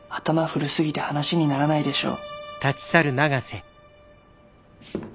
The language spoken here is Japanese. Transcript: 古すぎて話にならないでしょ。